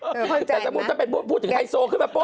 เธอเข้าใจไหมปุ๊บถึงเรื่องไทยโซคลึงแบบปุ๊บ